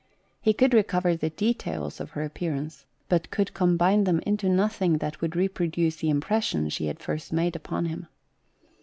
He could recover the details of her appearance, but could combine them into nothing that would reproduce the impression she had first made upon him.